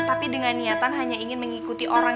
tapi dengan niatan hanya ingin mengikuti orang